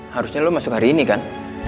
harusnya lo masuk hari ini kan